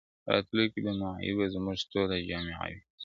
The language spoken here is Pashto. راتلو کي به معیوبه زموږ ټوله جامعه وي,